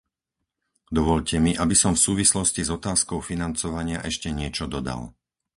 Dovoľte mi, aby som v súvislosti s otázkou financovania ešte niečo dodal.